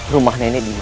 rumah nenek dimana